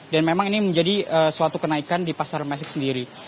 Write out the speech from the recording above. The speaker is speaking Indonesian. dan memang ini menjadi suatu kenaikan di pasar majestik sendiri